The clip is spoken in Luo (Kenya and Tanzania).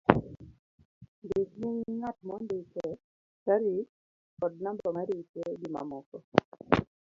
ndik nying' ng'at mondike, tarik, kod namba mar ite, gi mamoko